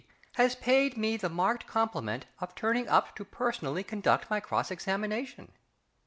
has paid me the marked compliment of turning up to personally conduct my cross examination.